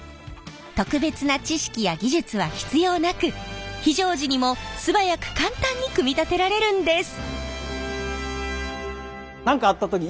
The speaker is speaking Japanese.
特別な知識や技術は必要なく非常時にも素早く簡単に組み立てられるんです。